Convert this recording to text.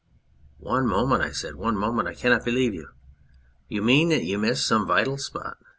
" One moment," I said, " one moment. I cannot believe you. You mean that you missed some vital spot.